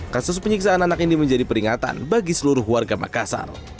kasus penyiksaan anak ini menjadi peringatan bagi seluruh warga makassar